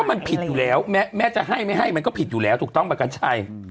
มันผิดอยู่แล้วแม้จะให้ไม่ให้มันก็ผิดอยู่แล้วถูกต้องประกัญชัย